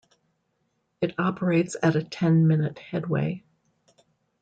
It operates at a ten-minute headway.